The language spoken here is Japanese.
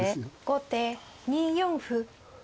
後手２四歩。